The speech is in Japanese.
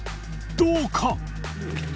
どうか？